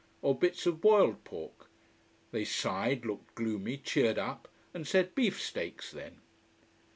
Or bits of boiled pork. They sighed, looked gloomy, cheered up, and said beef steaks, then.